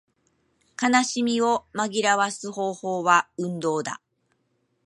悲しみを紛らわす方法は運動だ